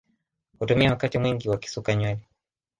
Hutumia wakati mwingi wakisuka nywele